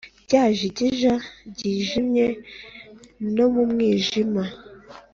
Ryajigija ryijimye no mu mwijima